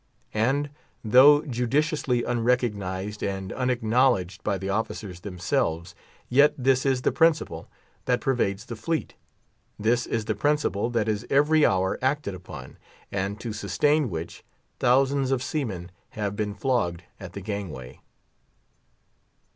And though judicially unrecognised, and unacknowledged by the officers themselves, yet this is the principle that pervades the fleet; this is the principle that is every hour acted upon, and to sustain which, thousands of seamen have been flogged at the gangway.